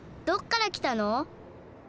どっからきたの？